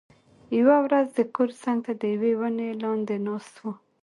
یوه ورځ د کور څنګ ته د یوې ونې لاندې ناست و،